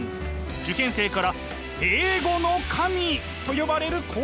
受験生から英語の神と呼ばれる講師だ。